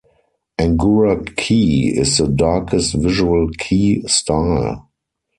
Angura kei is the darkest visual kei style.